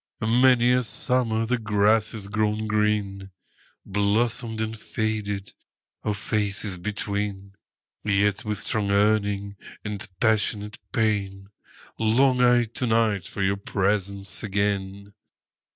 Many a summer the grass has grown green, Blossomed and faded, our faces between:Yet, with strong yearning and passionate pain, Long I to night for your presence again.